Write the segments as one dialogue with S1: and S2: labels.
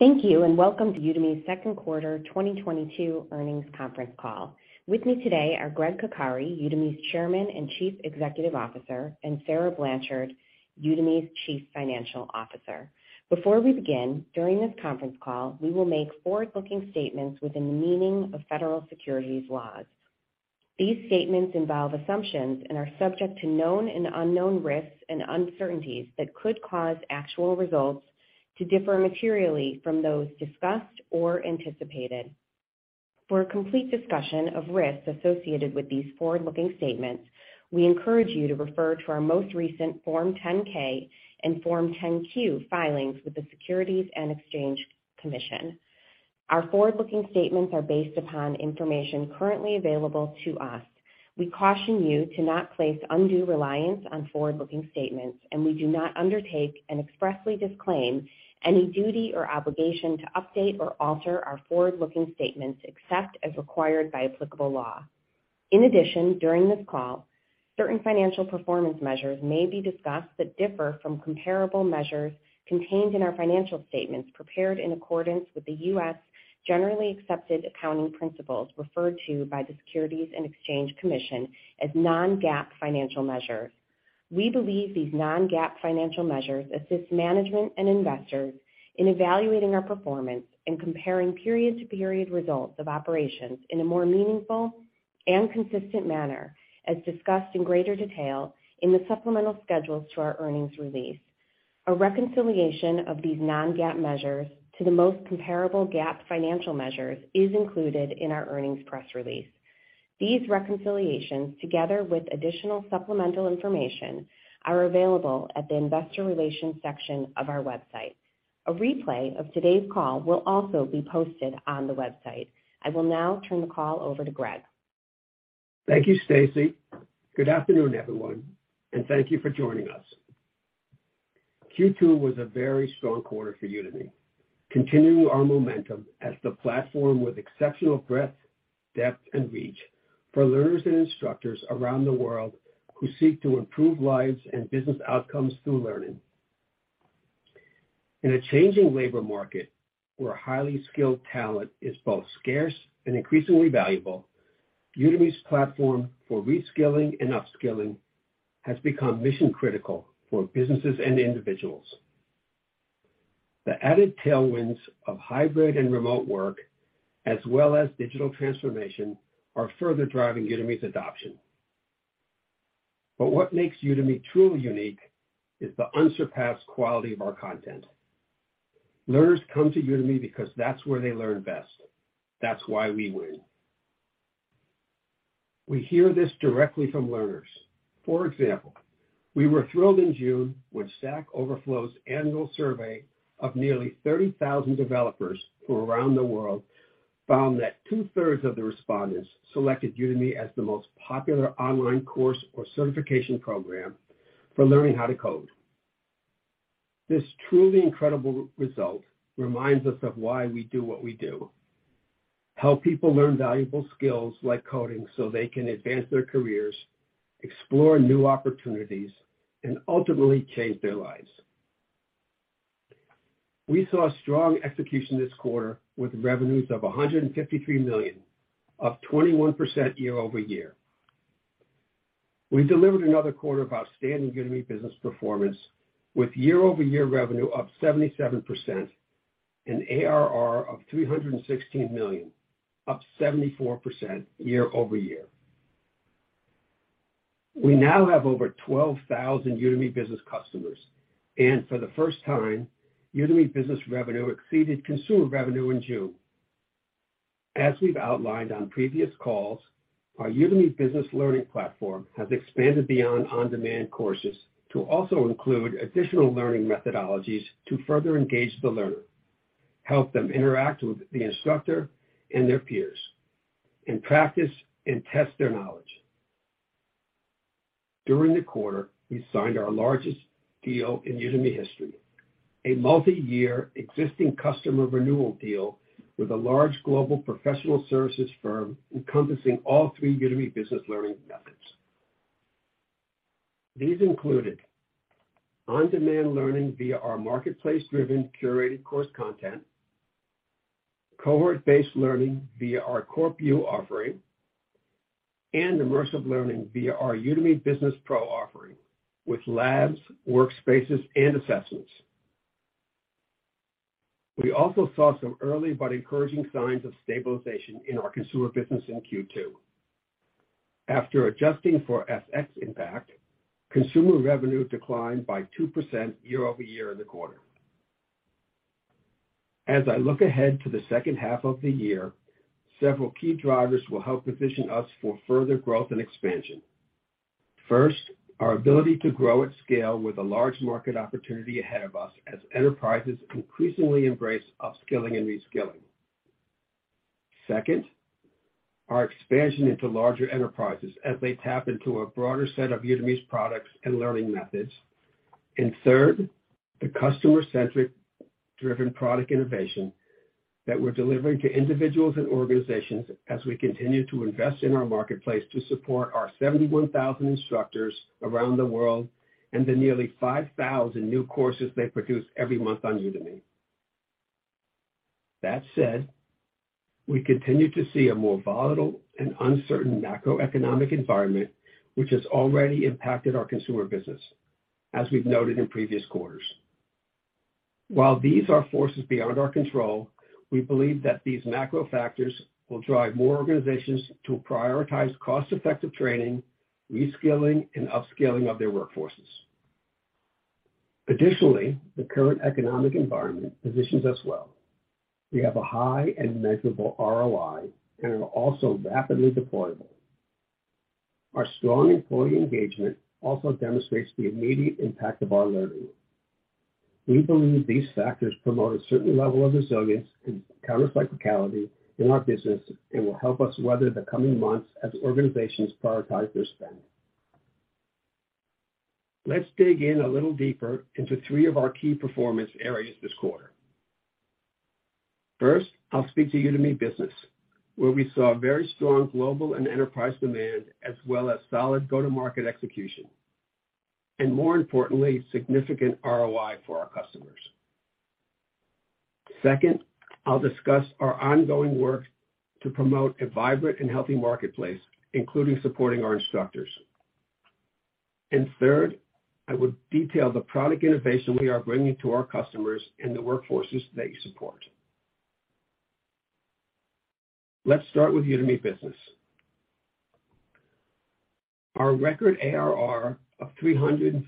S1: Thank you, and welcome to Udemy's second quarter 2022 earnings conference call. With me today are Gregg Coccari, Udemy's Chairman and Chief Executive Officer, and Sarah Blanchard, Udemy's Chief Financial Officer. Before we begin, during this conference call, we will make forward-looking statements within the meaning of federal securities laws. These statements involve assumptions and are subject to known and unknown risks and uncertainties that could cause actual results to differ materially from those discussed or anticipated. For a complete discussion of risks associated with these forward-looking statements, we encourage you to refer to our most recent Form 10-K and Form 10-Q filings with the Securities and Exchange Commission. Our forward-looking statements are based upon information currently available to us. We caution you to not place undue reliance on forward-looking statements, and we do not undertake, and expressly disclaim, any duty or obligation to update or alter our forward-looking statements, except as required by applicable law. In addition, during this call, certain financial performance measures may be discussed that differ from comparable measures contained in our financial statements prepared in accordance with the U.S. generally accepted accounting principles, referred to by the Securities and Exchange Commission as non-GAAP financial measures. We believe these non-GAAP financial measures assist management and investors in evaluating our performance and comparing period-to-period results of operations in a more meaningful and consistent manner, as discussed in greater detail in the supplemental schedules to our earnings release. A reconciliation of these non-GAAP measures to the most comparable GAAP financial measures is included in our earnings press release. These reconciliations, together with additional supplemental information, are available at the investor relations section of our website. A replay of today's call will also be posted on the website. I will now turn the call over to Gregg.
S2: Thank you, Stacey. Good afternoon, everyone, and thank you for joining us. Q2 was a very strong quarter for Udemy, continuing our momentum as the platform with exceptional breadth, depth, and reach for learners and instructors around the world who seek to improve lives and business outcomes through learning. In a changing labor market, where highly skilled talent is both scarce and increasingly valuable, Udemy's platform for reskilling and upskilling has become mission critical for businesses and individuals. The added tailwinds of hybrid and remote work, as well as digital transformation, are further driving Udemy's adoption. What makes Udemy truly unique is the unsurpassed quality of our content. Learners come to Udemy because that's where they learn best. That's why we win. We hear this directly from learners. For example, we were thrilled in June when Stack Overflow's annual survey of nearly 30,000 developers from around the world found that two-thirds of the respondents selected Udemy as the most popular online course or certification program for learning how to code. This truly incredible result reminds us of why we do what we do. Help people learn valuable skills like coding, so they can advance their careers, explore new opportunities, and ultimately change their lives. We saw strong execution this quarter with revenues of $153 million, up 21% year-over-year. We delivered another quarter of outstanding Udemy Business performance with year-over-year revenue up 77% and ARR of $316 million, up 74% year-over-year. We now have over 12,000 Udemy Business customers. For the first time, Udemy Business revenue exceeded consumer revenue in June. As we've outlined on previous calls, our Udemy business learning platform has expanded beyond on-demand courses to also include additional learning methodologies to further engage the learner, help them interact with the instructor and their peers, and practice and test their knowledge. During the quarter, we signed our largest deal in Udemy history, a multi-year existing customer renewal deal with a large global professional services firm encompassing all three Udemy business learning methods. These included on-demand learning via our marketplace-driven curated course content, cohort-based learning via our CorpU offering, and immersive learning via our Udemy Business Pro offering with labs, workspaces, and assessments. We also saw some early but encouraging signs of stabilization in our consumer business in Q2. After adjusting for FX impact, consumer revenue declined by 2% year-over-year in the quarter. As I look ahead to the second half of the year, several key drivers will help position us for further growth and expansion. First, our ability to grow at scale with a large market opportunity ahead of us as enterprises increasingly embrace upskilling and reskilling. Second, our expansion into larger enterprises as they tap into a broader set of Udemy's products and learning methods. Third, the customer-centric driven product innovation that we're delivering to individuals and organizations as we continue to invest in our marketplace to support our 71,000 instructors around the world and the nearly 5,000 new courses they produce every month on Udemy. That said, we continue to see a more volatile and uncertain macroeconomic environment, which has already impacted our consumer business, as we've noted in previous quarters. While these are forces beyond our control, we believe that these macro factors will drive more organizations to prioritize cost-effective training, reskilling, and upskilling of their workforces. Additionally, the current economic environment positions us well. We have a high and measurable ROI and are also rapidly deployable. Our strong employee engagement also demonstrates the immediate impact of our learning. We believe these factors promote a certain level of resilience and counter-cyclicality in our business and will help us weather the coming months as organizations prioritize their spend. Let's dig in a little deeper into three of our key performance areas this quarter. First, I'll speak to Udemy Business, where we saw very strong global and enterprise demand, as well as solid go-to-market execution, and more importantly, significant ROI for our customers. Second, I'll discuss our ongoing work to promote a vibrant and healthy marketplace, including supporting our instructors. Third, I will detail the product innovation we are bringing to our customers and the workforces they support. Let's start with Udemy Business. Our record ARR of $316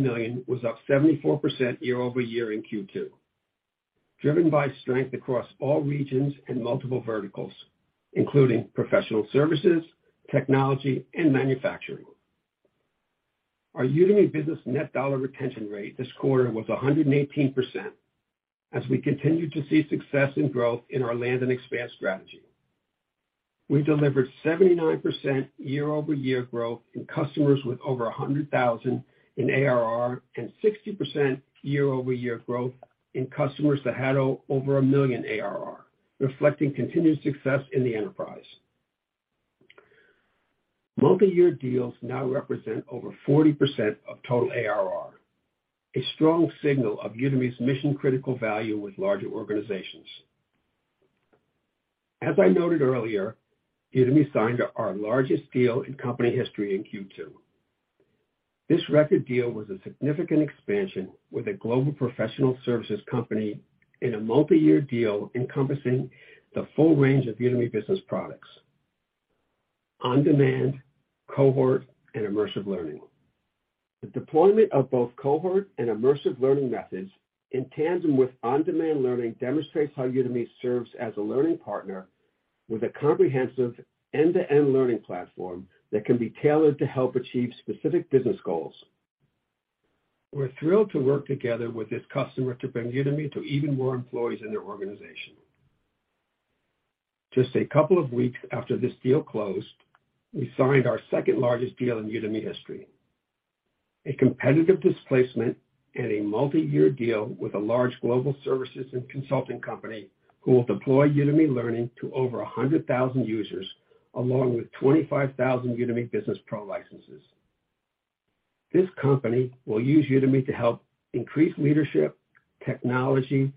S2: million was up 74% year-over-year in Q2, driven by strength across all regions and multiple verticals, including professional services, technology, and manufacturing. Our Udemy Business net dollar retention rate this quarter was 118% as we continued to see success and growth in our land and expand strategy. We delivered 79% year-over-year growth in customers with over $100,000 in ARR and 60% year-over-year growth in customers that had over $1 million ARR, reflecting continued success in the enterprise. Multiyear deals now represent over 40% of total ARR, a strong signal of Udemy's mission-critical value with larger organizations. As I noted earlier, Udemy signed our largest deal in company history in Q2. This record deal was a significant expansion with a global professional services company in a multi-year deal encompassing the full range of Udemy Business products, on-demand, cohort, and immersive learning. The deployment of both cohort and immersive learning methods in tandem with on-demand learning demonstrates how Udemy serves as a learning partner with a comprehensive end-to-end learning platform that can be tailored to help achieve specific business goals. We're thrilled to work together with this customer to bring Udemy to even more employees in their organization. Just a couple of weeks after this deal closed, we signed our second-largest deal in Udemy history, a competitive displacement and a multi-year deal with a large global services and consulting company who will deploy Udemy learning to over 100,000 users, along with 25,000 Udemy Business Pro licenses. This company will use Udemy to help increase leadership, technology,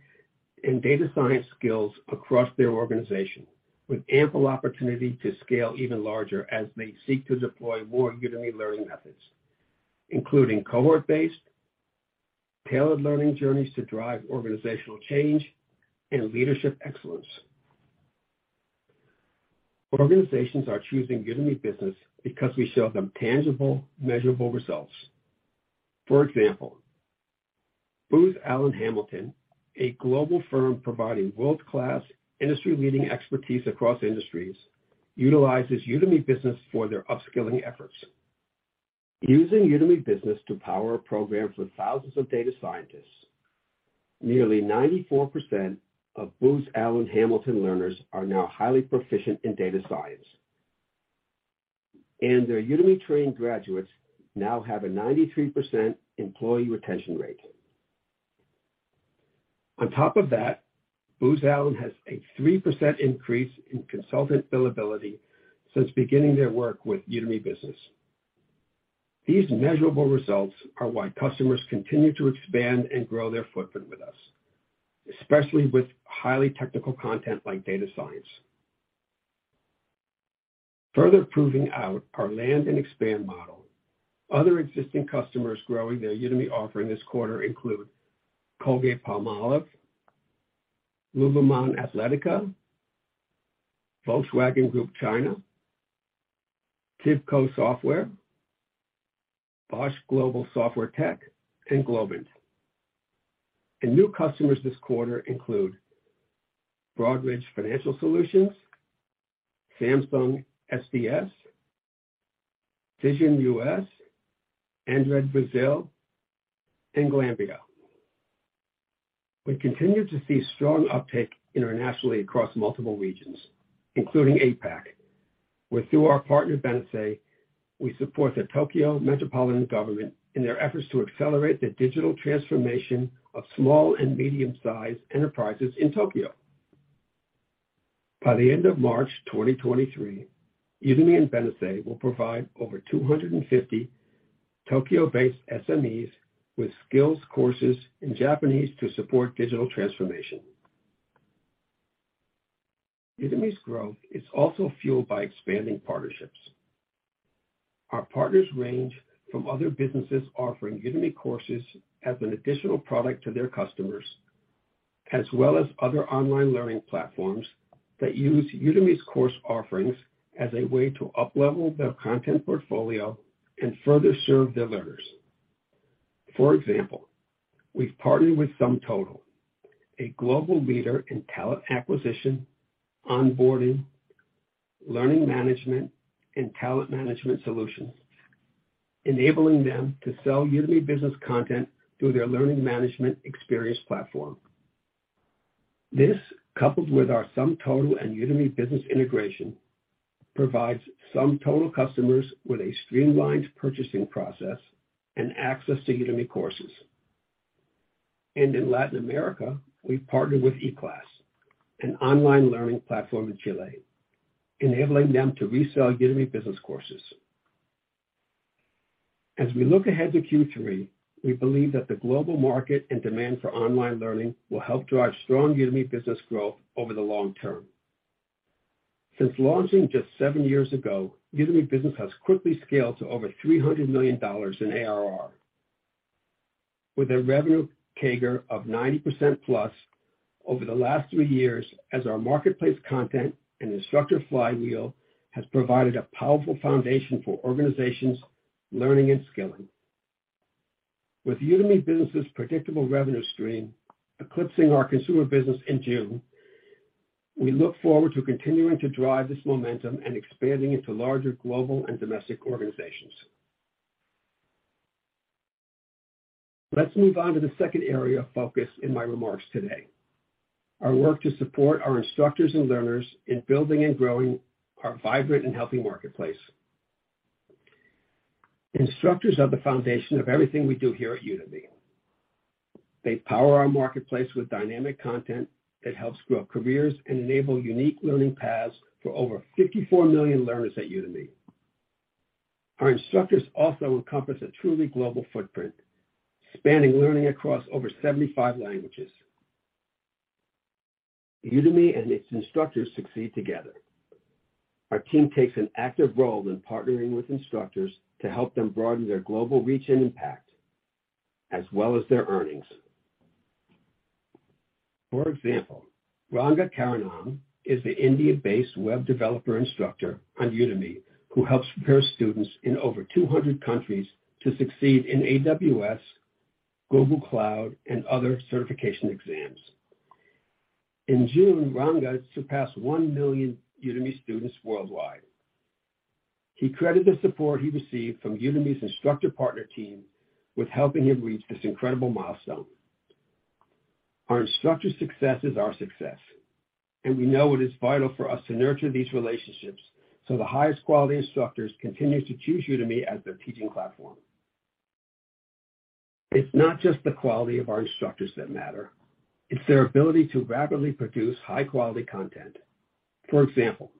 S2: and data science skills across their organization with ample opportunity to scale even larger as they seek to deploy more Udemy learning methods, including cohort-based, tailored learning journeys to drive organizational change and leadership excellence. Organizations are choosing Udemy Business because we show them tangible, measurable results. For example, Booz Allen Hamilton, a global firm providing world-class, industry-leading expertise across industries, utilizes Udemy Business for their upskilling efforts. Using Udemy Business to power programs with thousands of data scientists, nearly 94% of Booz Allen Hamilton learners are now highly proficient in data science, and their Udemy-trained graduates now have a 93% employee retention rate. On top of that, Booz Allen has a 3% increase in consultant billability since beginning their work with Udemy Business. These measurable results are why customers continue to expand and grow their footprint with us, especially with highly technical content like data science. Further proving out our land and expand model, other existing customers growing their Udemy offer in this quarter include Colgate-Palmolive, lululemon athletica, Volkswagen Group China, TIBCO Software, Bosch Global Software Technologies, and Globant. New customers this quarter include Broadridge Financial Solutions, Samsung SDS, Cision US, Andrade Gutierrez, and Glanbia. We continue to see strong uptake internationally across multiple regions, including APAC. Where through our partner, Benesse, we support the Tokyo Metropolitan Government in their efforts to accelerate the digital transformation of small and medium-sized enterprises in Tokyo. By the end of March 2023, Udemy and Benesse will provide over 250 Tokyo-based SMEs with skills courses in Japanese to support digital transformation. Udemy's growth is also fueled by expanding partnerships. Our partners range from other businesses offering Udemy courses as an additional product to their customers, as well as other online learning platforms that use Udemy's course offerings as a way to up-level their content portfolio and further serve their learners. For example, we've partnered with SumTotal, a global leader in talent acquisition, onboarding, learning management, and talent management solutions, enabling them to sell Udemy Business content through their learning management experience platform. This, coupled with our SumTotal and Udemy Business integration, provides SumTotal customers with a streamlined purchasing process and access to Udemy courses. In Latin America, we've partnered with eClass, an online learning platform in Chile, enabling them to resell Udemy Business courses. As we look ahead to Q3, we believe that the global market and demand for online learning will help drive strong Udemy business growth over the long term. Since launching just 7 years ago, Udemy Business has quickly scaled to over $300 million in ARR, with a revenue CAGR of 90%+ over the last 3 years as our marketplace content and instructor flywheel has provided a powerful foundation for organizations learning and skilling. With Udemy Business's predictable revenue stream eclipsing our consumer business in June, we look forward to continuing to drive this momentum and expanding into larger global and domestic organizations. Let's move on to the second area of focus in my remarks today, our work to support our instructors and learners in building and growing our vibrant and healthy marketplace. Instructors are the foundation of everything we do here at Udemy. They power our marketplace with dynamic content that helps grow careers and enable unique learning paths for over 54 million learners at Udemy. Our instructors also encompass a truly global footprint, spanning learning across over 75 languages. Udemy and its instructors succeed together. Our team takes an active role in partnering with instructors to help them broaden their global reach and impact, as well as their earnings. For example, Ranga Karanam is the India-based web developer instructor on Udemy who helps prepare students in over 200 countries to succeed in AWS, Google Cloud, and other certification exams. In June, Ranga surpassed 1 million Udemy students worldwide. He credited the support he received from Udemy's instructor partner team with helping him reach this incredible milestone. Our instructors' success is our success, and we know it is vital for us to nurture these relationships so the highest quality instructors continue to choose Udemy as their teaching platform. It's not just the quality of our instructors that matter, it's their ability to rapidly produce high-quality content. For example,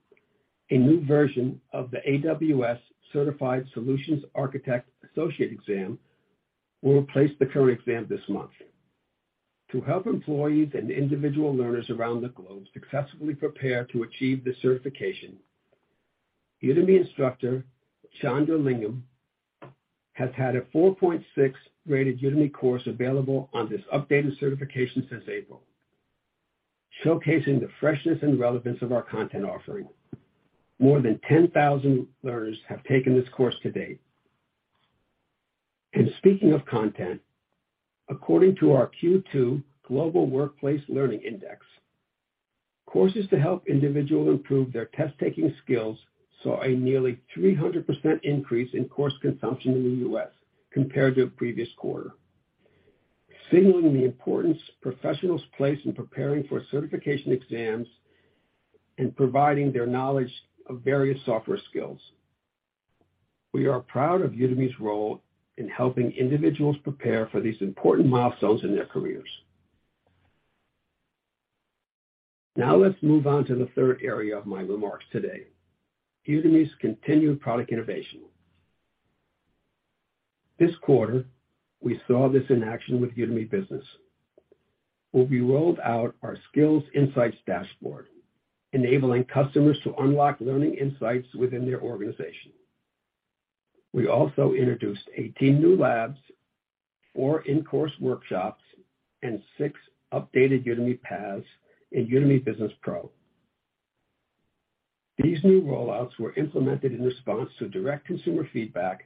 S2: a new version of the AWS Certified Solutions Architect - Associate exam will replace the current exam this month. To help employees and individual learners around the globe successfully prepare to achieve this certification, Udemy instructor Chandra Lingam has had a 4.6 rated Udemy course available on this updated certification since April, showcasing the freshness and relevance of our content offering. More than 10,000 learners have taken this course to date. Speaking of content, according to our Q2 Global Workplace Learning Index, courses to help individuals improve their test-taking skills saw a nearly 300% increase in course consumption in the U.S. compared to the previous quarter, signaling the importance professionals place in preparing for certification exams and proving their knowledge of various software skills. We are proud of Udemy's role in helping individuals prepare for these important milestones in their careers. Now let's move on to the third area of my remarks today, Udemy's continued product innovation. This quarter, we saw this in action with Udemy Business, where we rolled out our Skills Insights dashboard, enabling customers to unlock learning insights within their organization. We also introduced 18 new labs, 4 in-course workshops, and 6 updated Udemy paths in Udemy Business Pro. These new rollouts were implemented in response to direct consumer feedback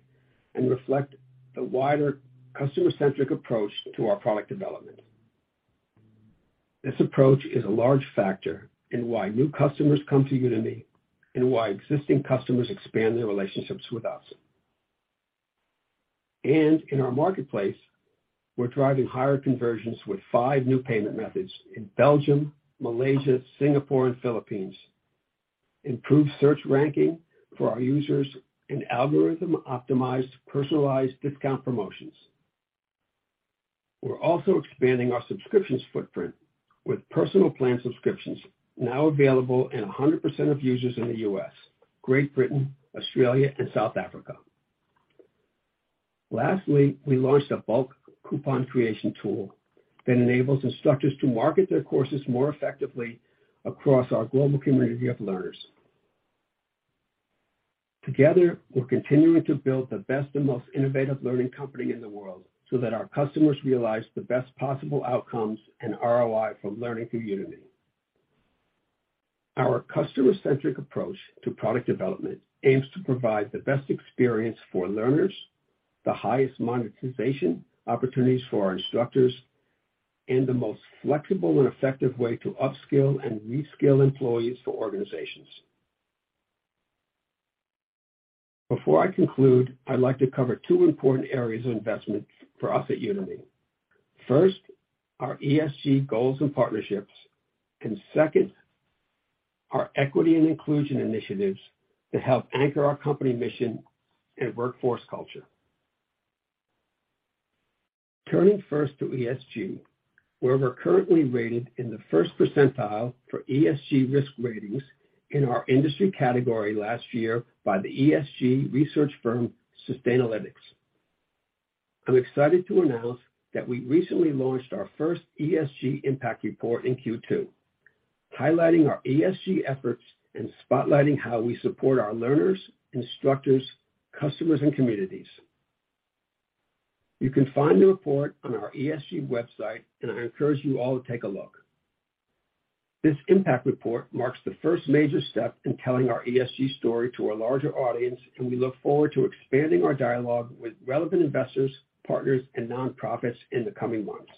S2: and reflect the wider consumer-centric approach to our product development. This approach is a large factor in why new customers come to Udemy and why existing customers expand their relationships with us. In our marketplace, we're driving higher conversions with five new payment methods in Belgium, Malaysia, Singapore, and Philippines, improved search ranking for our users, and algorithm-optimized personalized discount promotions. We're also expanding our subscriptions footprint with Personal Plan subscriptions now available in 100% of users in the U.S., Great Britain, Australia, and South Africa. Lastly, we launched a bulk coupon creation tool that enables instructors to market their courses more effectively across our global community of learners. Together, we're continuing to build the best and most innovative learning company in the world so that our customers realize the best possible outcomes and ROI from learning through Udemy. Our customer-centric approach to product development aims to provide the best experience for learners, the highest monetization opportunities for our instructors, and the most flexible and effective way to upskill and reskill employees for organizations. Before I conclude, I'd like to cover two important areas of investment for us at Udemy. First, our ESG goals and partnerships, and second, our equity and inclusion initiatives to help anchor our company mission and workforce culture. Turning first to ESG, where we're currently rated in the first percentile for ESG risk ratings in our industry category last year by the ESG research firm Sustainalytics. I'm excited to announce that we recently launched our first ESG impact report in Q2, highlighting our ESG efforts and spotlighting how we support our learners, instructors, customers, and communities. You can find the report on our ESG website, and I encourage you all to take a look. This impact report marks the first major step in telling our ESG story to a larger audience, and we look forward to expanding our dialogue with relevant investors, partners, and nonprofits in the coming months.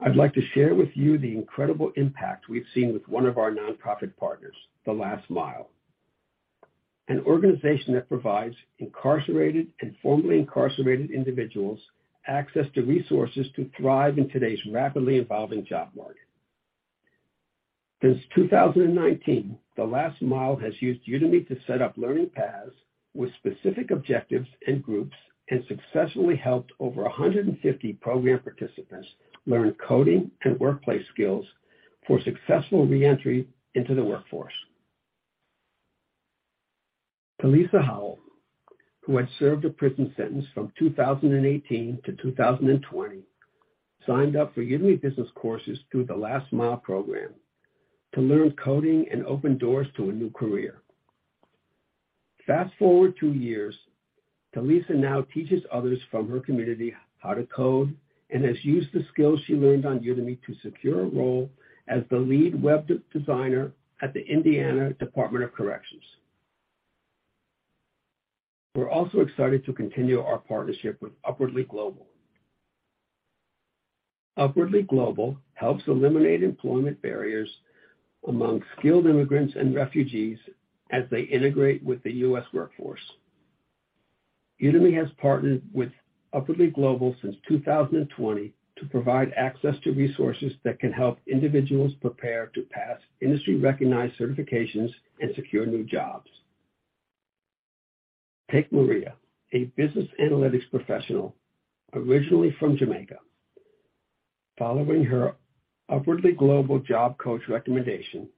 S2: I'd like to share with you the incredible impact we've seen with one of our nonprofit partners, The Last Mile, an organization that provides incarcerated and formerly incarcerated individuals access to resources to thrive in today's rapidly evolving job market. Since 2019, The Last Mile has used Udemy to set up learning paths with specific objectives and groups and successfully helped over 150 program participants learn coding and workplace skills for successful re-entry into the workforce. Talisa Howell, who had served a prison sentence from 2018 to 2020, signed up for Udemy Business courses through The Last Mile program to learn coding and open doors to a new career. Fast-forward two years, Talisa now teaches others from her community how to code and has used the skills she learned on Udemy to secure a role as the lead web designer at the Indiana Department of Correction. We're also excited to continue our partnership with Upwardly Global. Upwardly Global helps eliminate employment barriers among skilled immigrants and refugees as they integrate with the U.S. workforce. Udemy has partnered with Upwardly Global since 2020 to provide access to resources that can help individuals prepare to pass industry-recognized certifications and secure new jobs. Take Maria, a business analytics professional originally from Jamaica. Following her Upwardly Global job coach recommendation,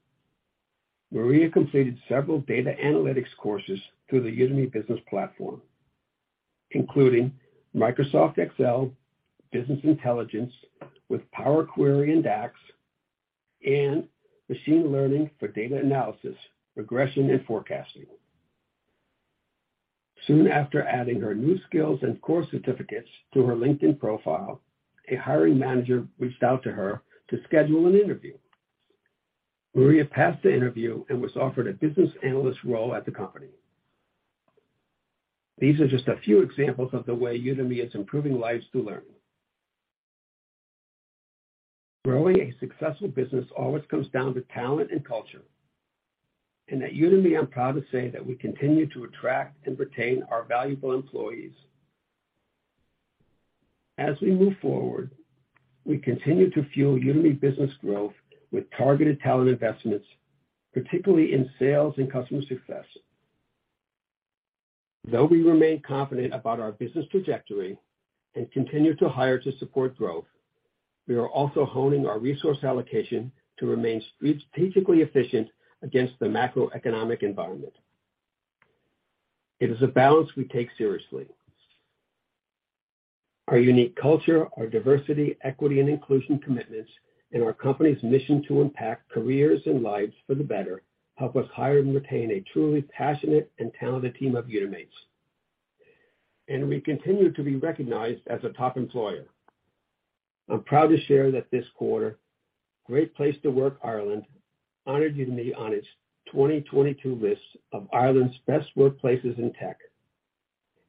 S2: Maria completed several data analytics courses through the Udemy Business platform, including Microsoft Excel, Business Intelligence with Power Query and DAX, and Machine Learning for Data Analysis, Regression and Forecasting. Soon after adding her new skills and course certificates to her LinkedIn profile, a hiring manager reached out to her to schedule an interview. Maria passed the interview and was offered a business analyst role at the company. These are just a few examples of the way Udemy is improving lives through learning. Growing a successful business always comes down to talent and culture. At Udemy, I'm proud to say that we continue to attract and retain our valuable employees. As we move forward, we continue to fuel Udemy Business growth with targeted talent investments, particularly in sales and customer success. Though we remain confident about our business trajectory and continue to hire to support growth, we are also honing our resource allocation to remain strategically efficient against the macroeconomic environment. It is a balance we take seriously. Our unique culture, our diversity, equity, and inclusion commitments, and our company's mission to impact careers and lives for the better help us hire and retain a truly passionate and talented team of Udemy mates. We continue to be recognized as a top employer. I'm proud to share that this quarter, Great Place to Work Ireland honored Udemy on its 2022 list of Ireland's best workplaces in tech,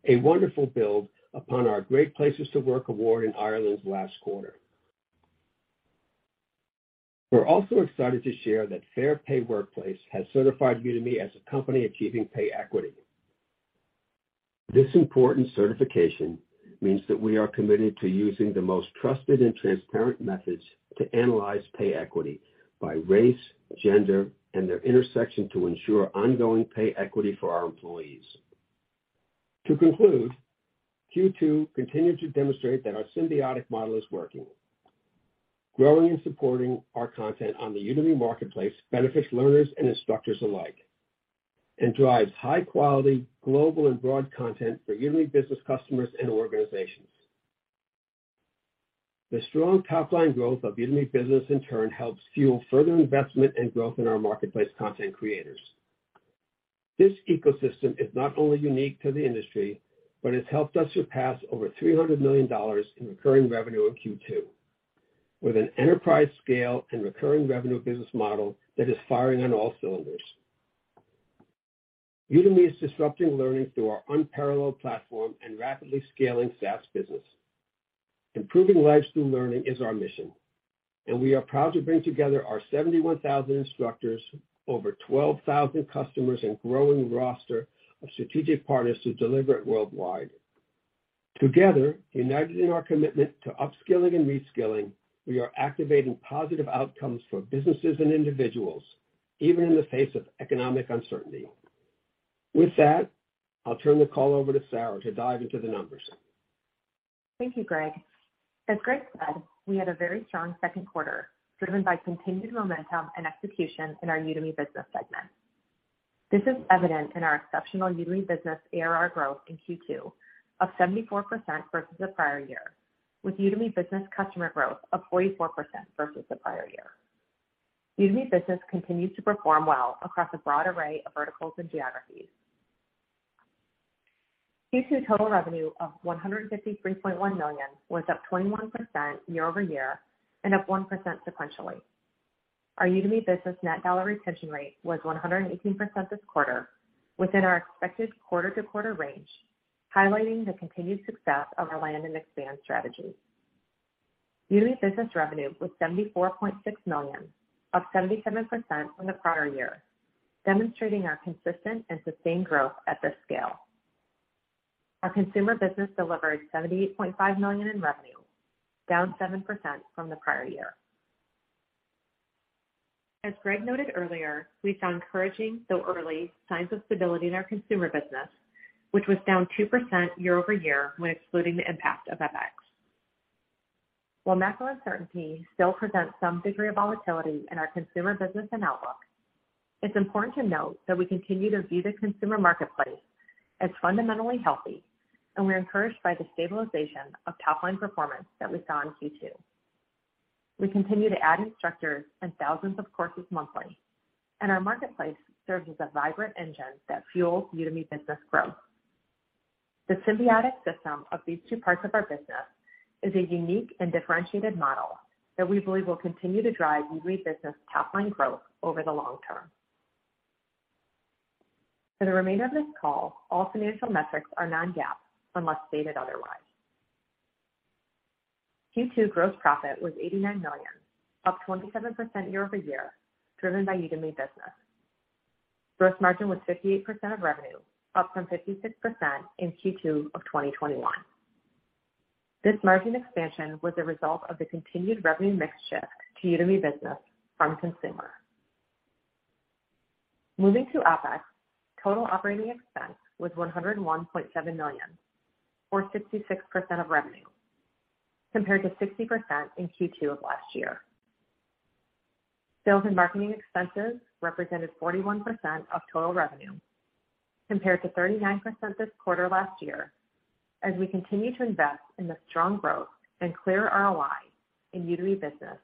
S2: a wonderful building upon our Great Place to Work award in Ireland last quarter. We're also excited to share that Fair Pay Workplace has certified Udemy as a company achieving pay equity. This important certification means that we are committed to using the most trusted and transparent methods to analyze pay equity by race, gender, and their intersection to ensure ongoing pay equity for our employees. To conclude, Q2 continued to demonstrate that our symbiotic model is working. Growing and supporting our content on the Udemy marketplace benefits learners and instructors alike, and drives high-quality global and broad content for Udemy Business customers and organizations. The strong top-line growth of Udemy Business in turn helps fuel further investment and growth in our marketplace content creators. This ecosystem is not only unique to the industry, but has helped us surpass over $300 million in recurring revenue in Q2, with an enterprise scale and recurring revenue business model that is firing on all cylinders. Udemy is disrupting learning through our unparalleled platform and rapidly scaling SaaS business. Improving lives through learning is our mission, and we are proud to bring together our 71,000 instructors, over 12,000 customers, and growing roster of strategic partners to deliver it worldwide. Together, united in our commitment to upskilling and reskilling, we are activating positive outcomes for businesses and individuals, even in the face of economic uncertainty. With that, I'll turn the call over to Sarah to dive into the numbers.
S3: Thank you, Gregg. As Gregg said, we had a very strong second quarter, driven by continued momentum and execution in our Udemy business segment. This is evident in our exceptional Udemy business ARR growth in Q2 of 74% versus the prior year, with Udemy business customer growth of 44% versus the prior year. Udemy business continues to perform well across a broad array of verticals and geographies. Q2 total revenue of $153.1 million was up 21% year-over-year and up 1% sequentially. Our Udemy business net dollar retention rate was 118% this quarter within our expected quarter-to-quarter range, highlighting the continued success of our land and expand strategy. Udemy business revenue was $74.6 million, up 77% from the prior year, demonstrating our consistent and sustained growth at this scale. Our consumer business delivered $78.5 million in revenue, down 7% from the prior year. As Gregg noted earlier, we found encouraging, though early, signs of stability in our consumer business, which was down 2% year-over-year when excluding the impact of FX. While macro uncertainty still presents some degree of volatility in our consumer business and outlook, it's important to note that we continue to view the consumer marketplace as fundamentally healthy, and we're encouraged by the stabilization of top-line performance that we saw in Q2. We continue to add instructors and thousands of courses monthly, and our marketplace serves as a vibrant engine that fuels Udemy Business growth. The symbiotic system of these two parts of our business is a unique and differentiated model that we believe will continue to drive Udemy Business top-line growth over the long term. For the remainder of this call, all financial metrics are non-GAAP unless stated otherwise. Q2 gross profit was $89 million, up 27% year-over-year, driven by Udemy Business. Gross margin was 58% of revenue, up from 56% in Q2 of 2021. This margin expansion was a result of the continued revenue mix shift to Udemy Business from consumer. Moving to OPEX, total operating expense was $101.7 million or 66% of revenue, compared to 60% in Q2 of last year. Sales and marketing expenses represented 41% of total revenue, compared to 39% this quarter last year, as we continue to invest in the strong growth and clear ROI in Udemy Business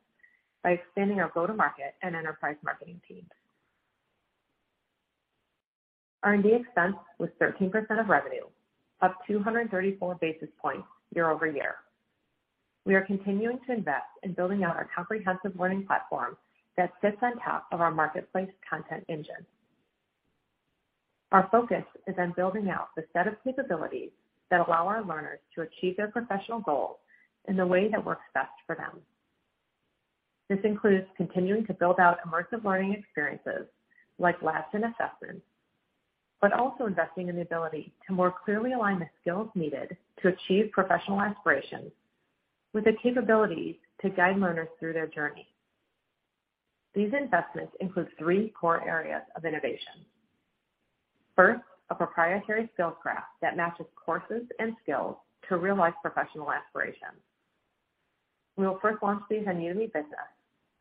S3: by extending our go-to-market and enterprise marketing teams. R&D expense was 13% of revenue, up 234 basis points year-over-year. We are continuing to invest in building out our comprehensive learning platform that sits on top of our marketplace content engine. Our focus is on building out the set of capabilities that allow our learners to achieve their professional goals in the way that works best for them. This includes continuing to build out immersive learning experiences like labs and assessments, but also investing in the ability to more clearly align the skills needed to achieve professional aspirations with the capabilities to guide learners through their journey. These investments include three core areas of innovation. First, a proprietary skills graph that matches courses and skills to real-life professional aspirations. We will first launch these in Udemy Business,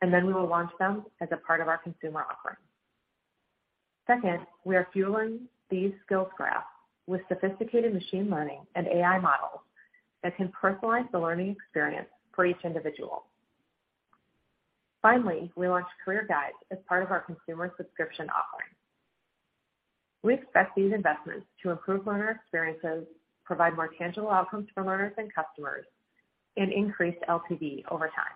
S3: and then we will launch them as a part of our consumer offering. Second, we are fueling these skills graphs with sophisticated machine learning and AI models that can personalize the learning experience for each individual. Finally, we launched career guides as part of our consumer subscription offering. We expect these investments to improve learner experiences, provide more tangible outcomes for learners and customers, and increase LTV over time.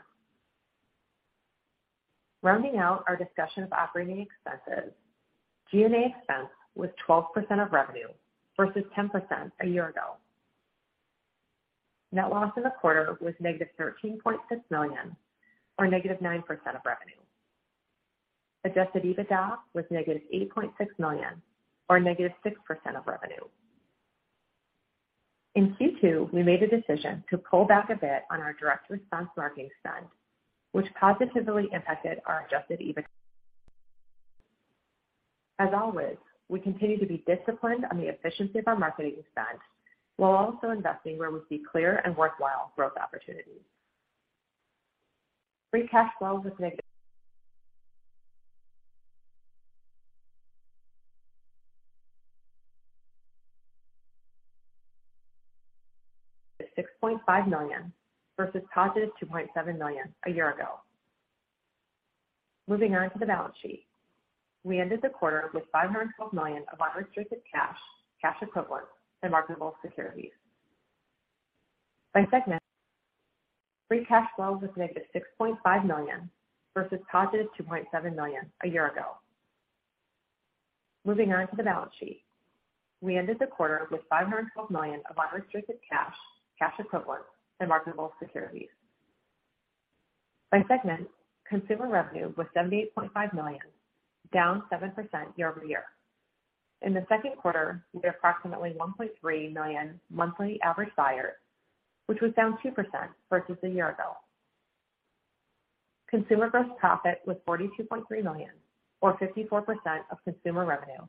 S3: Rounding out our discussion of operating expenses, G&A expense was 12% of revenue versus 10% a year ago. Net loss in the quarter was -$13.6 million or -9% of revenue. Adjusted EBITDA was -$8.6 million or -6% of revenue. In Q2, we made a decision to pull back a bit on our direct response marketing spend, which positively impacted our adjusted EBITDA. As always, we continue to be disciplined on the efficiency of our marketing spend while also investing where we see clear and worthwhile growth opportunities. By segment, free cash flow was -$6.5 million versus +$2.7 million a year ago. Moving on to the balance sheet. We ended the quarter with $512 million of unrestricted cash equivalents, and marketable securities. By segment, consumer revenue was $78.5 million, down 7% year-over-year. In the second quarter, we had approximately 1.3 million monthly average buyers, which was down 2% versus a year ago. Consumer gross profit was $42.3 million or 54% of consumer revenue,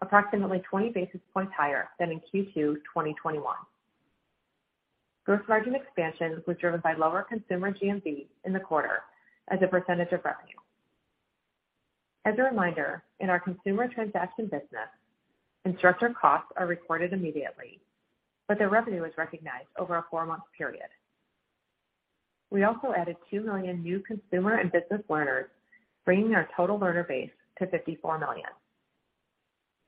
S3: approximately 20 basis points higher than in Q2 2021. Gross margin expansion was driven by lower consumer GMV in the quarter as a percentage of revenue. As a reminder, in our consumer transaction business, instructor costs are recorded immediately, but their revenue is recognized over a 4-month period. We also added 2 million new consumer and business learners, bringing our total learner base to 54 million.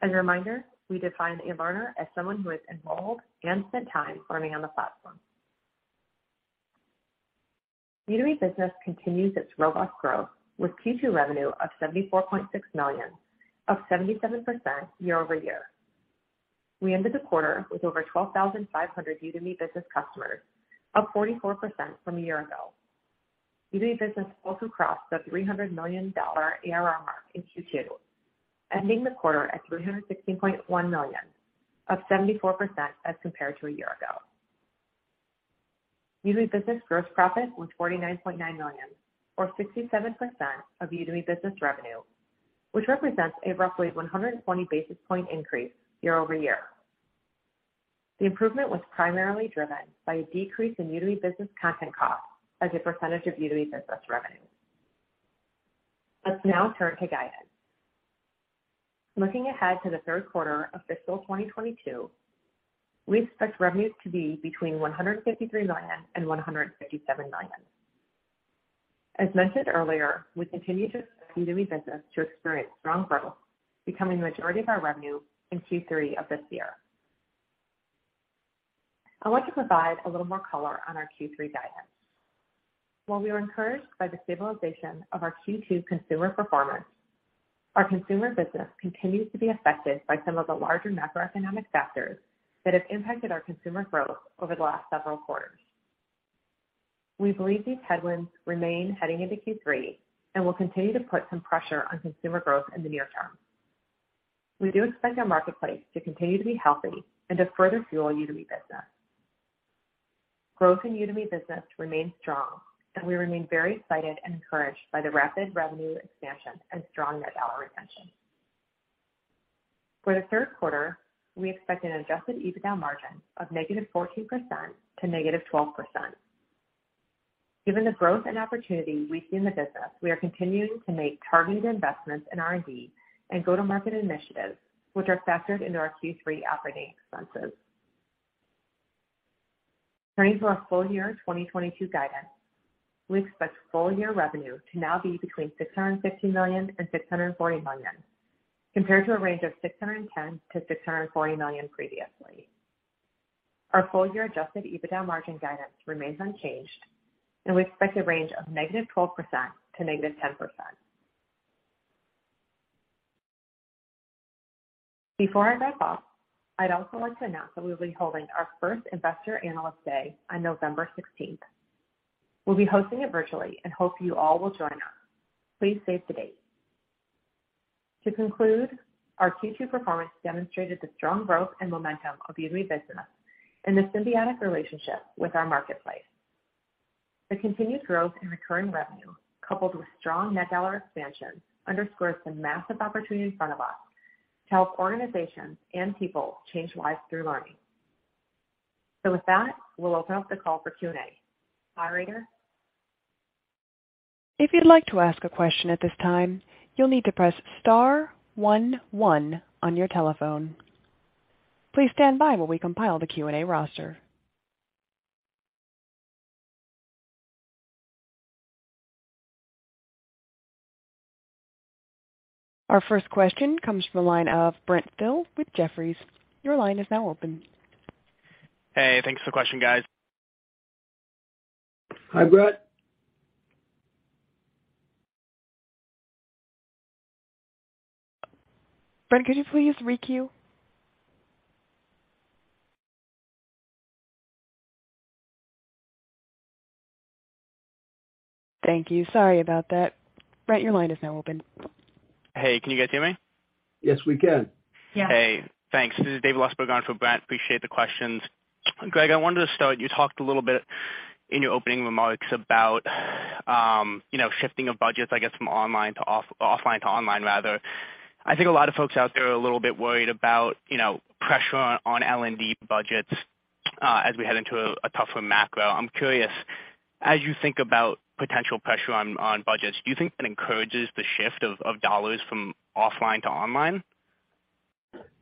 S3: As a reminder, we define a learner as someone who is enrolled and spent time learning on the platform. Udemy Business continues its robust growth with Q2 revenue of $74.6 million, up 77% year-over-year. We ended the quarter with over 12,500 Udemy Business customers, up 44% from a year ago. Udemy Business also crossed the $300 million ARR mark in Q2, ending the quarter at $316.1 million, up 74% as compared to a year ago. Udemy Business gross profit was $49.9 million or 67% of Udemy Business revenue, which represents a roughly 120 basis point increase year-over-year. The improvement was primarily driven by a decrease in Udemy Business content costs as a percentage of Udemy Business revenue. Let's now turn to guidance. Looking ahead to the third quarter of fiscal 2022, we expect revenues to be between $153 million and $157 million. As mentioned earlier, we continue to expect Udemy Business to experience strong growth, becoming the majority of our revenue in Q3 of this year. I want to provide a little more color on our Q3 guidance. While we are encouraged by the stabilization of our Q2 consumer performance, our consumer business continues to be affected by some of the larger macroeconomic factors that have impacted our consumer growth over the last several quarters. We believe these headwinds remain heading into Q3 and will continue to put some pressure on consumer growth in the near term. We do expect our marketplace to continue to be healthy and to further fuel Udemy Business. Growth in Udemy Business remains strong, and we remain very excited and encouraged by the rapid revenue expansion and strong net dollar retention. For the third quarter, we expect an adjusted EBITDA margin of -14%-12%. Given the growth and opportunity we see in the business, we are continuing to make targeted investments in R&D and go-to-market initiatives, which are factored into our Q3 operating expenses. Turning to our full year 2022 guidance. We expect full year revenue to now be between $650 million and $640 million, compared to a range of $610 million-$640 million previously. Our full year adjusted EBITDA margin guidance remains unchanged, and we expect a range of -12% to -10%. Before I wrap up, I'd also like to announce that we'll be holding our first Investor Analyst Day on November 16th. We'll be hosting it virtually and hope you all will join us. Please save the date. To conclude, our Q2 performance demonstrated the strong growth and momentum of the Udemy business and the symbiotic relationship with our marketplace. The continued growth in recurring revenue coupled with strong net dollar expansion underscores the massive opportunity in front of us to help organizations and people change lives through learning. With that, we'll open up the call for Q&A. Operator?
S4: If you'd like to ask a question at this time, you'll need to press star one one on your telephone. Please stand by while we compile the Q&A roster. Our first question comes from the line of Brent Thill with Jefferies. Your line is now open.
S5: Hey, thanks for the question, guys.
S3: Hi, Brent.
S4: Brent, could you please re-queue? Thank you. Sorry about that. Brent, your line is now open.
S5: Hey, can you guys hear me?
S2: Yes, we can.
S3: Yeah.
S5: Hey, thanks. This is David Lustberg on for Brent. Appreciate the questions. Gregg, I wanted to start. You talked a little bit in your opening remarks about, you know, shifting of budgets, I guess from offline to online, rather. I think a lot of folks out there are a little bit worried about, you know, pressure on L&D budgets, as we head into a tougher macro. I'm curious, as you think about potential pressure on budgets, do you think that encourages the shift of dollars from offline to online?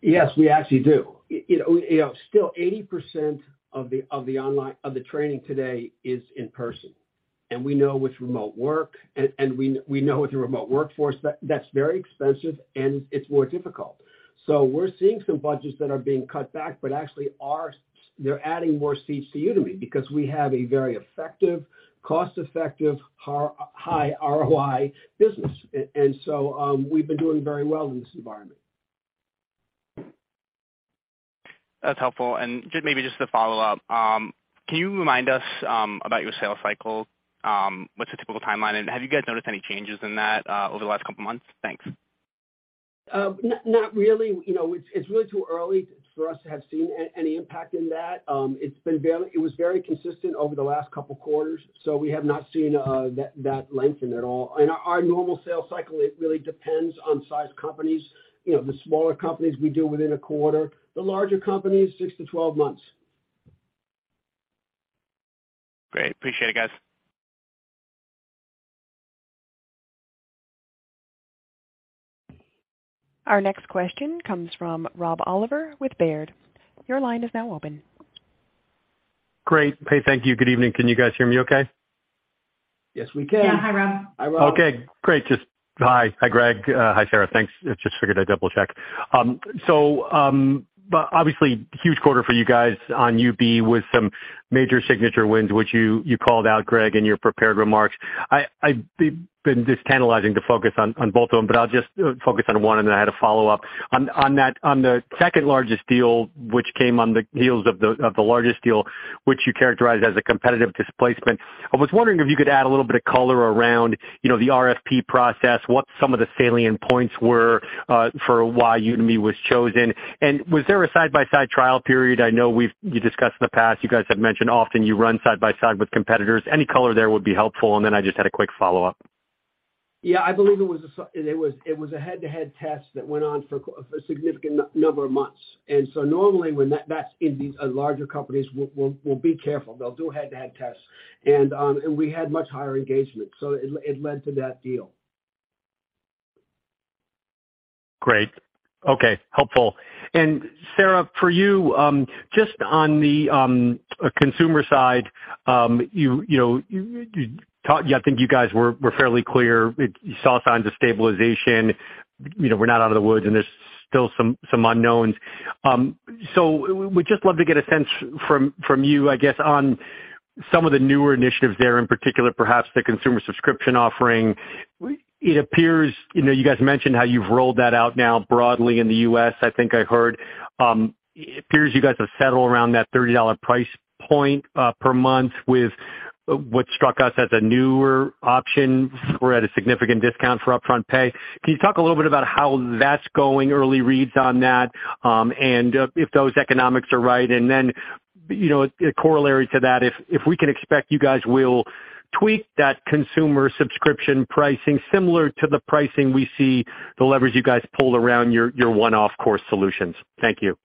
S2: Yes, we actually do. You know, still 80% of the online training today is in person. We know with remote work, and we know with the remote workforce that that's very expensive and it's more difficult. We're seeing some budgets that are being cut back, but actually they're adding more seats to Udemy because we have a very effective, cost-effective, high ROI business. We've been doing very well in this environment.
S5: That's helpful. Just maybe to follow up, can you remind us about your sales cycle? What's the typical timeline, and have you guys noticed any changes in that over the last couple of months? Thanks.
S2: Not really. You know, it's really too early for us to have seen any impact in that. It's been very consistent over the last couple quarters, so we have not seen that lengthen at all. Our normal sales cycle, it really depends on size companies. You know, the smaller companies we do within a quarter. The larger companies, 6-12 months.
S5: Great. Appreciate it, guys.
S4: Our next question comes from Rob Oliver with Baird. Your line is now open.
S6: Great. Hey, thank you. Good evening. Can you guys hear me okay?
S2: Yes, we can.
S3: Yeah. Hi, Rob.
S2: Hi, Rob.
S6: Okay, great. Hi. Hi, Gregg. Hi, Sarah. Thanks. Just figured I'd double-check. Obviously huge quarter for you guys on UB with some major signature wins, which you called out, Gregg, in your prepared remarks. I've been dying to focus on both of them, but I'll just focus on one, and then I had a follow-up. On the second largest deal, which came on the heels of the largest deal, which you characterized as a competitive displacement, I was wondering if you could add a little bit of color around, you know, the RFP process, what some of the salient points were for why Udemy was chosen, and was there a side-by-side trial period? I know you discussed in the past, you guys have mentioned often you run side by side with competitors. Any color there would be helpful. Then I just had a quick follow-up.
S2: Yeah, I believe it was a head-to-head test that went on for a significant number of months. Normally when that is in these larger companies, we'll be careful. They'll do head-to-head tests. We had much higher engagement, so it led to that deal.
S6: Great. Okay. Helpful. Sarah, for you, just on the consumer side, you know, yeah, I think you guys were fairly clear. You saw signs of stabilization. You know, we're not out of the woods, and there's still some unknowns. We'd just love to get a sense from you, I guess, on some of the newer initiatives there, in particular, perhaps the consumer subscription offering. It appears, you know, you guys mentioned how you've rolled that out now broadly in the US, I think I heard. It appears you guys have settled around that $30 price point per month with what struck us as a newer option or at a significant discount for upfront pay. Can you talk a little bit about how that's going, early reads on that, and if those economics are right? You know, a corollary to that, if we can expect you guys will tweak that consumer subscription pricing similar to the pricing we see the levers you guys pulled around your one-off course solutions. Thank you.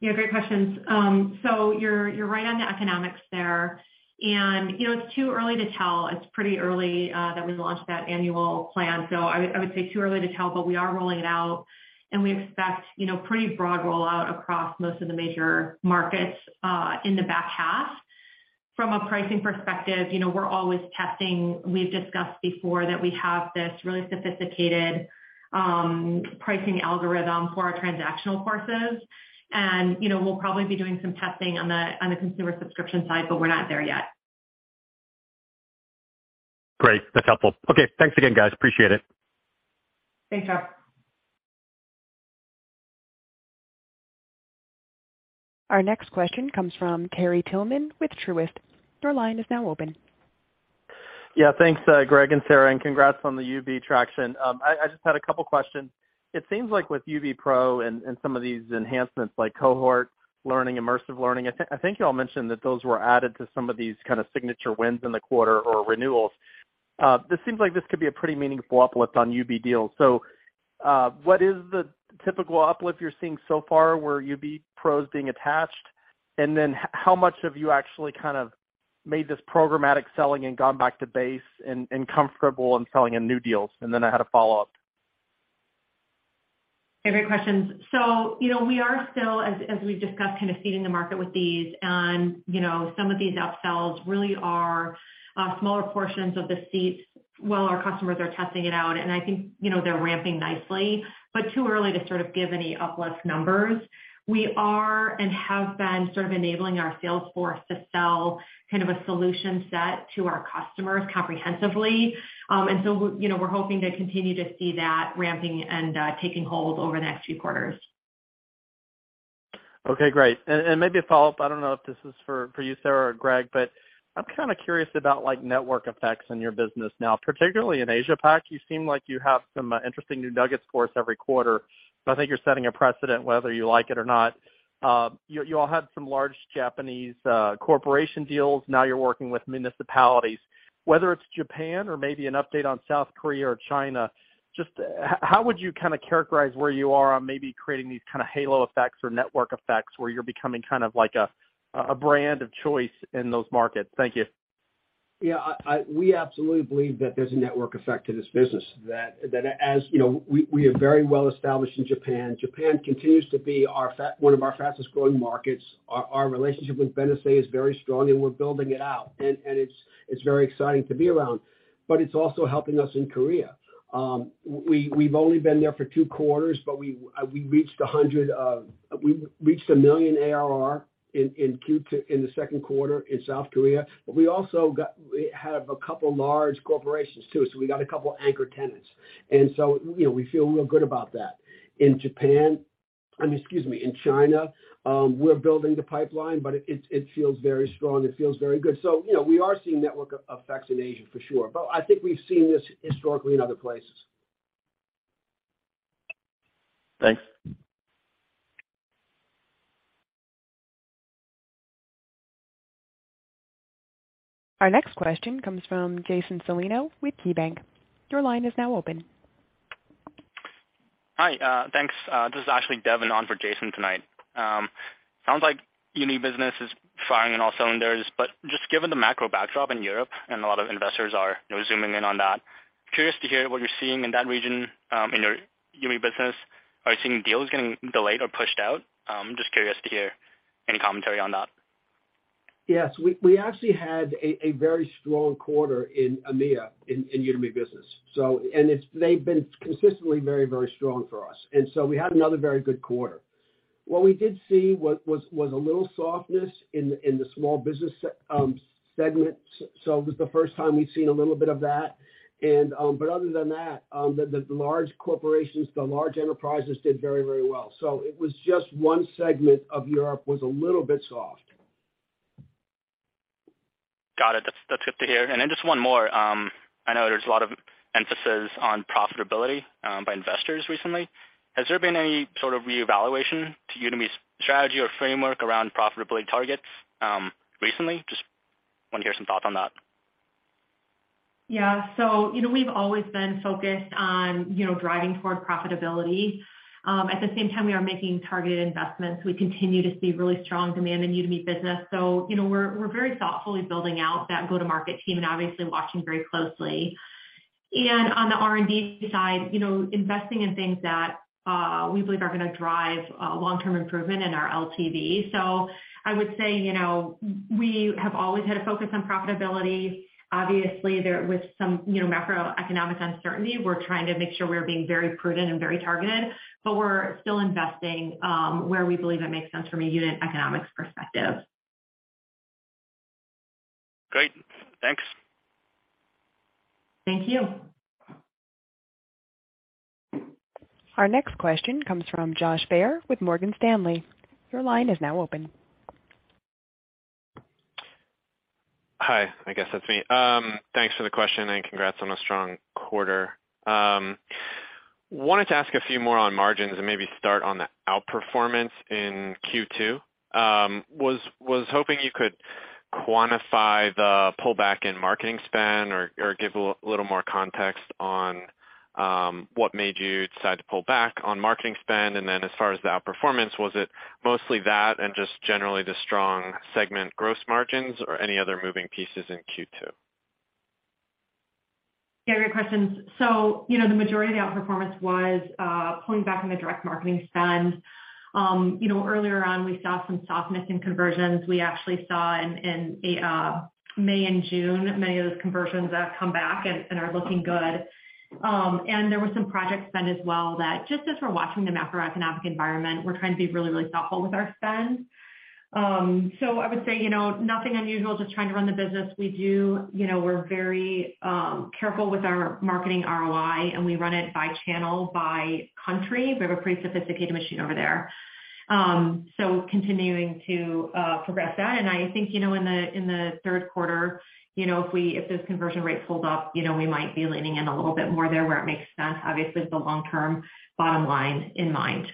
S3: Yeah, great questions. You're right on the economics there. You know, it's too early to tell. It's pretty early that we launched that annual plan. I would say too early to tell, but we are rolling it out, and we expect you know, pretty broad rollout across most of the major markets in the back half. From a pricing perspective, you know, we're always testing. We've discussed before that we have this really sophisticated pricing algorithm for our transactional courses. You know, we'll probably be doing some testing on the consumer subscription side, but we're not there yet.
S6: Great. That's helpful. Okay, thanks again, guys. Appreciate it.
S4: Thanks, Rob. Our next question comes from Terry Tillman with Truist. Your line is now open.
S7: Yeah. Thanks, Gregg and Sarah, and congrats on the UB traction. I just had a couple questions. It seems like with UB Pro and some of these enhancements like cohort learning, immersive learning, I think you all mentioned that those were added to some of these kind of signature wins in the quarter or renewals. This seems like this could be a pretty meaningful uplift on UB deals. What is the typical uplift you're seeing so far where UB Pro is being attached? How much have you actually kind of made this programmatic selling and gone back to base and comfortable in selling in new deals? I had a follow-up.
S3: Yeah, great questions. You know, we are still, as we've discussed, kind of seeding the market with these. You know, some of these upsells really are smaller portions of the seats while our customers are testing it out. I think, you know, they're ramping nicely, but too early to sort of give any uplift numbers. We are and have been sort of enabling our sales force to sell kind of a solution set to our customers comprehensively. You know, we're hoping to continue to see that ramping and taking hold over the next few quarters.
S7: Okay, great. Maybe a follow-up. I don't know if this is for you, Sarah or Gregg, but I'm kinda curious about like network effects in your business now, particularly in Asia Pac. You seem like you have some interesting new nuggets for us every quarter, but I think you're setting a precedent whether you like it or not. You all had some large Japanese corporation deals, now you're working with municipalities. Whether it's Japan or maybe an update on South Korea or China, just how would you kinda characterize where you are on maybe creating these kinda halo effects or network effects where you're becoming kind of like a brand of choice in those markets? Thank you.
S2: We absolutely believe that there's a network effect to this business, that as, you know, we are very well-established in Japan. Japan continues to be one of our fastest-growing markets. Our relationship with Benesse is very strong, and we're building it out, and it's very exciting to be around, but it's also helping us in Korea. We've only been there for two quarters, but we reached $1 million ARR in Q2, in the second quarter in South Korea. We also have a couple large corporations too, so we got a couple anchor tenants. You know, we feel real good about that. In China, we're building the pipeline, but it feels very strong. It feels very good. You know, we are seeing network effects in Asia for sure, but I think we've seen this historically in other places.
S7: Thanks.
S4: Our next question comes from Jason Celino with KeyBanc. Your line is now open.
S8: Hi, thanks. This is actually Devin on for Jason tonight. Sounds like Udemy Business is firing on all cylinders, but just given the macro backdrop in Europe and a lot of investors are, you know, zooming in on that, curious to hear what you're seeing in that region, in your Udemy Business. Are you seeing deals getting delayed or pushed out? Just curious to hear any commentary on that.
S2: Yes. We actually had a very strong quarter in EMEA in Udemy Business. They've been consistently very strong for us. We had another very good quarter. What we did see was a little softness in the small business segment. It was the first time we've seen a little bit of that. But other than that, the large corporations, the large enterprises did very well. It was just one segment of Europe that was a little bit soft.
S8: Got it. That's good to hear. Just one more. I know there's a lot of emphasis on profitability by investors recently. Has there been any sort of reevaluation to Udemy's strategy or framework around profitability targets recently? Just wanna hear some thoughts on that.
S3: Yeah. You know, we've always been focused on, you know, driving toward profitability. At the same time, we are making targeted investments. We continue to see really strong demand in Udemy Business. You know, we're very thoughtfully building out that go-to-market team and obviously watching very closely. On the R&D side, you know, investing in things that we believe are gonna drive long-term improvement in our LTV. I would say, you know, we have always had a focus on profitability. Obviously, there was some, you know, macroeconomic uncertainty. We're trying to make sure we're being very prudent and very targeted, but we're still investing where we believe it makes sense from a unit economics perspective.
S8: Great. Thanks.
S3: Thank you.
S4: Our next question comes from Josh Baer with Morgan Stanley. Your line is now open.
S9: Hi. I guess that's me. Thanks for the question, and congrats on a strong quarter. Wanted to ask a few more on margins and maybe start on the outperformance in Q2. Was hoping you could quantify the pullback in marketing spend or give a little more context on what made you decide to pull back on marketing spend. Then as far as the outperformance, was it mostly that and just generally the strong segment gross margins or any other moving pieces in Q2?
S3: Yeah, great questions. You know, the majority of the outperformance was pulling back on the direct marketing spend. You know, earlier on, we saw some softness in conversions. We actually saw in May and June, many of those conversions come back and are looking good. There was some project spend as well that just as we're watching the macroeconomic environment, we're trying to be really, really thoughtful with our spend. I would say, you know, nothing unusual, just trying to run the business. We're very careful with our marketing ROI, and we run it by channel, by country. We have a pretty sophisticated machine over there. Continuing to progress that. I think, you know, in the third quarter, you know, if those conversion rates hold up, you know, we might be leaning in a little bit more there where it makes sense, obviously with the long-term bottom line in mind.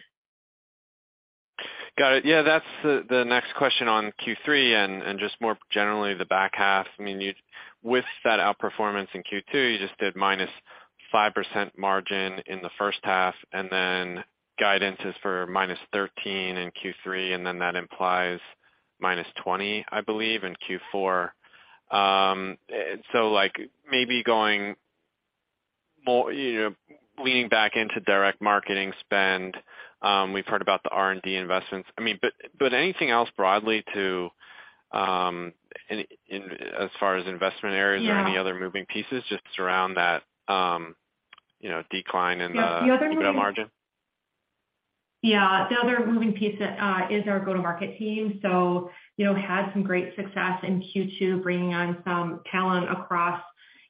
S9: Got it. Yeah, that's the next question on Q3 and just more generally the back half. I mean, you. With that outperformance in Q2, you just did -5% margin in the first half, and then guidance is for -13% in Q3, and then that implies -20%, I believe, in Q4. So, like, maybe going more, you know, leaning back into direct marketing spend, we've heard about the R&D investments. I mean, but anything else broadly to any as far as investment areas.
S3: Yeah.
S9: or any other moving pieces just around that, you know, decline in the
S3: The other moving-
S9: Gross margin?
S3: Yeah. The other moving piece is our go-to-market team. You know, had some great success in Q2, bringing on some talent across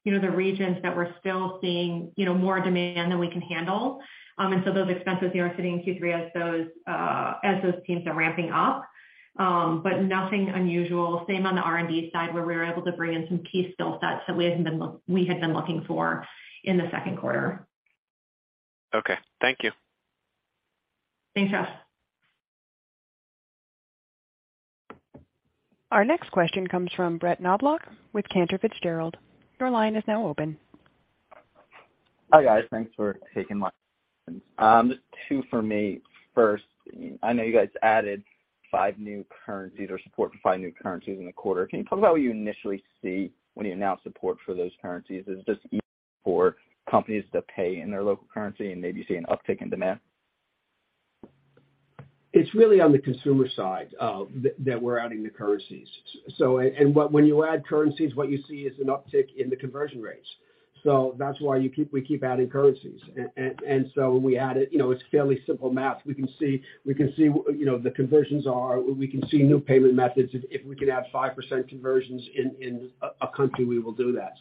S3: the regions that we're still seeing more demand than we can handle, and those expenses they are sitting in Q3 as those teams are ramping up. Nothing unusual. Same on the R&D side, where we were able to bring in some key skill sets that we had been looking for in the second quarter.
S9: Okay, thank you.
S3: Thanks, Josh Baer.
S4: Our next question comes from Brett Knoblauch with Cantor Fitzgerald. Your line is now open.
S10: Hi, guys. Thanks for taking my questions. Just two for me. First, I know you guys added five new currencies or support for five new currencies in the quarter. Can you talk about what you initially see when you announce support for those currencies? Is this for companies to pay in their local currency and maybe see an uptick in demand?
S2: It's really on the consumer side that we're adding the currencies. When you add currencies, what you see is an uptick in the conversion rates. That's why we keep adding currencies. When we add it, you know, it's fairly simple math. We can see, you know, the conversions are. We can see new payment methods. If we can add 5% conversions in a country, we will do that.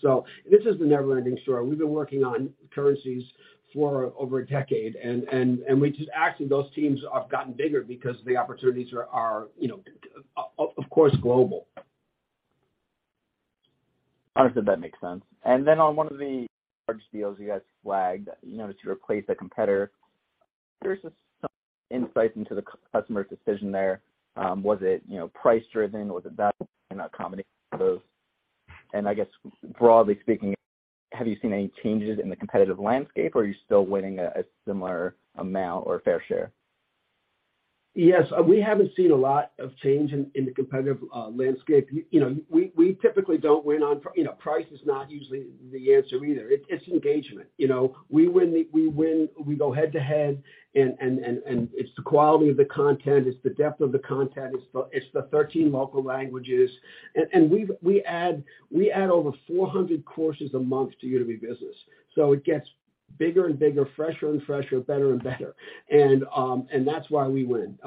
S2: This is the never-ending story. We've been working on currencies for over a decade and actually those teams have gotten bigger because the opportunities are, you know, of course global.
S10: Understood. That makes sense. On one of the large deals you guys flagged, you know, to replace a competitor, there was just some insight into the customer's decision there. Was it, you know, price driven? Was it value and a combination of those? I guess, broadly speaking, have you seen any changes in the competitive landscape, or are you still winning a similar amount or fair share?
S2: Yes, we haven't seen a lot of change in the competitive landscape. You know, we typically don't win on price. You know, price is not usually the answer either. It's engagement, you know. We win. We go head to head and it's the quality of the content. It's the depth of the content. It's the 13 local languages. We add over 400 courses a month to Udemy Business. It gets bigger and bigger, fresher and fresher, better and better. That's why we win.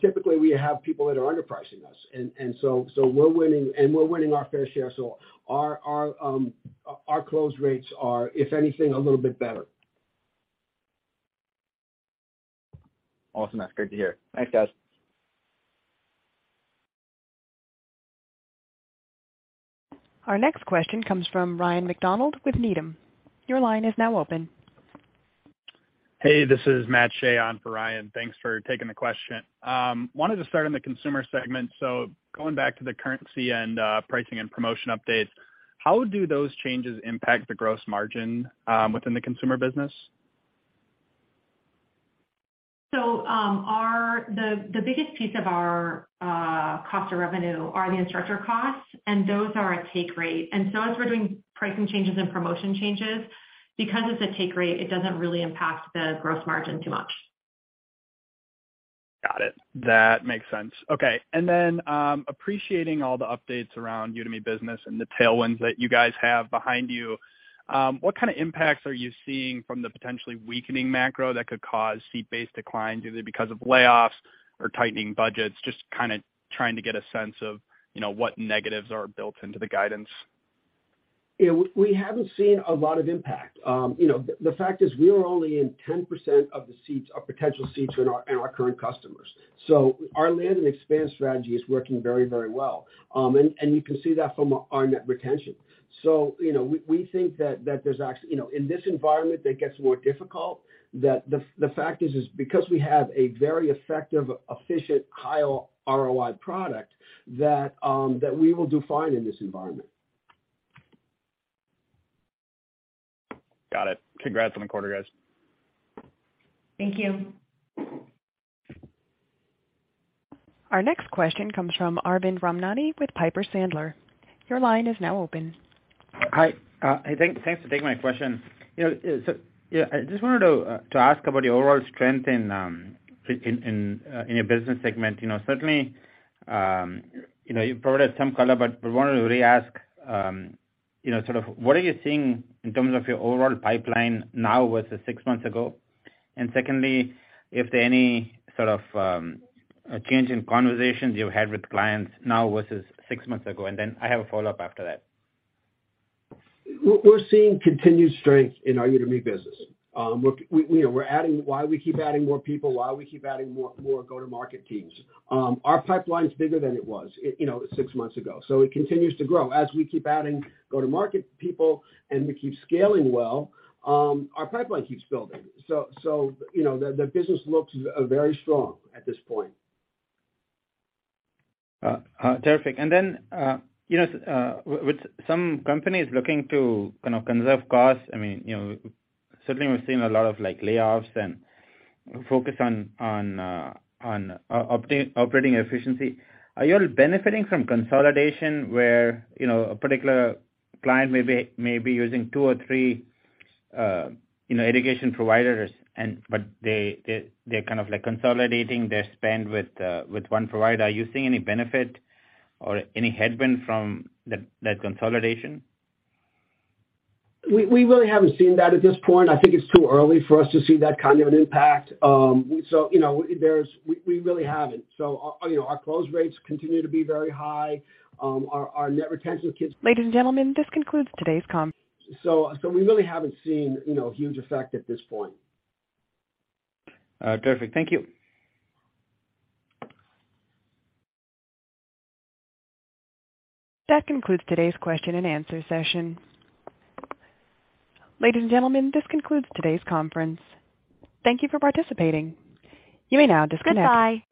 S2: Typically we have people that are underpricing us. We're winning our fair share. Our close rates are, if anything, a little bit better.
S10: Awesome. That's great to hear. Thanks, guys.
S4: Our next question comes from Ryan MacDonald with Needham. Your line is now open.
S11: Hey, this is Matthew Shea on for Ryan MacDonald. Thanks for taking the question. Wanted to start on the consumer segment. Going back to the currency and pricing and promotion updates, how do those changes impact the gross margin within the consumer business?
S4: The biggest piece of our cost of revenue are the instructor costs, and those are a take rate. As we're doing pricing changes and promotion changes, because it's a take rate, it doesn't really impact the gross margin too much.
S10: Got it. That makes sense. Okay. appreciating all the updates around Udemy Business and the tailwinds that you guys have behind you, what kind of impacts are you seeing from the potentially weakening macro that could cause seat-based declines, either because of layoffs or tightening budgets? Just kinda trying to get a sense of, you know, what negatives are built into the guidance.
S2: Yeah. We haven't seen a lot of impact. You know, the fact is we are only in 10% of the seats, our potential seats in our current customers. Our land and expand strategy is working very well. And you can see that from our net retention. You know, we think that there's. You know, in this environment that gets more difficult, the fact is because we have a very effective, efficient, high ROI product that we will do fine in this environment.
S10: Got it. Congrats on the quarter, guys.
S3: Thank you.
S4: Our next question comes from Arvind Ramnani with Piper Sandler. Your line is now open.
S12: Hi. Thanks for taking my question. You know, yeah, I just wanted to ask about your overall strength in your business segment. You know, certainly, you know, you provided some color, but we wanted to re-ask, you know, sort of what are you seeing in terms of your overall pipeline now versus six months ago? Secondly, if there are any sort of change in conversations you've had with clients now versus six months ago, and then I have a follow-up after that.
S2: We're seeing continued strength in our Udemy business. You know, we're adding more people, more go-to-market teams. Our pipeline's bigger than it was, you know, six months ago. It continues to grow. As we keep adding go-to-market people, and we keep scaling well, our pipeline keeps building. You know, the business looks very strong at this point.
S12: Terrific. Then you know with some companies looking to kind of conserve costs, I mean, you know, certainly we've seen a lot of like layoffs and focus on operating efficiency. Are you all benefiting from consolidation where, you know, a particular client may be using two or three, you know, education providers and but they're kind of like consolidating their spend with one provider. Are you seeing any benefit or any headwind from that consolidation?
S2: We really haven't seen that at this point. I think it's too early for us to see that kind of an impact. You know, our close rates continue to be very high. Our net retention keeps-
S4: Ladies and gentlemen, this concludes today's.
S2: We really haven't seen, you know, a huge effect at this point.
S12: Perfect. Thank you.
S4: That concludes today's question and answer session. Ladies and gentlemen, this concludes today's conference. Thank you for participating. You may now disconnect. Goodbye.